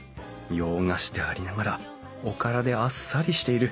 洋菓子でありながらおからであっさりしている。